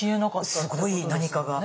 すごい何かが。